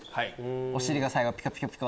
お尻が最後ピコピコピコ！